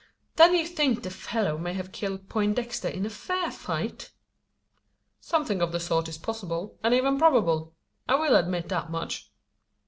"Then you think the fellow may have killed Poindexter in a fair fight?" "Something of the sort is possible, and even probable. I will admit that much."